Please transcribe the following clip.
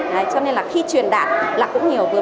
đấy cho nên là khi truyền đạt